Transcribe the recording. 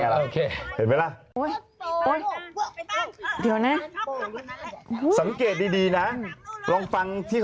ว่าอยู่นี่นักภักด์ต่อไปเนี่ย